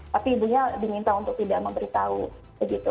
tapi ibunya diminta untuk tidak memberitahu begitu